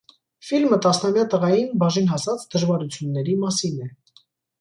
Ֆիլմը տասամյա տղային բաժին հասած դժվարությունների մասին է։